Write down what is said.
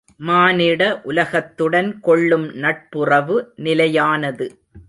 மானிட உலகத்துடன் கொள்ளும் நட்புறவு நிலையானது.